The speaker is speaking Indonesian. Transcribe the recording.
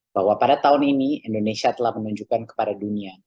bahwa pada tahun ini indonesia telah menunjukkan kepada dunia